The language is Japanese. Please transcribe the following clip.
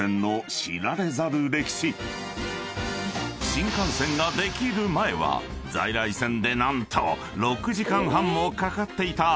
［新幹線ができる前は在来線で何と６時間半もかかっていた東京大阪間］